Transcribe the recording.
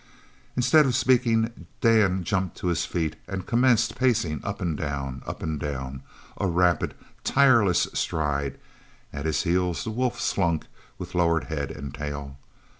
Instead of speaking Dan jumped to his feet and commenced pacing up and down, up and down, a rapid, tireless stride; at his heels the wolf slunk, with lowered head and tail.